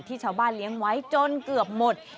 ชาวบ้านเลี้ยงไว้จนเกือบหมด